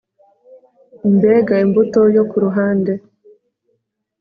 Mbega imbuto yo kuruhande